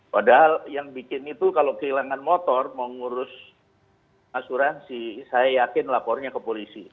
padahal yang bikin itu kalau kehilangan motor mau ngurus asuransi saya yakin lapornya ke polisi